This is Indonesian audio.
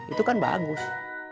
itu kan bagus